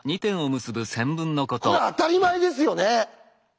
これあたりまえですよね？